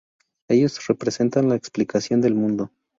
Ellos representan la explicación del mundo.